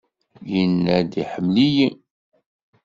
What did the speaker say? Yenna-d iḥemmel-iyi.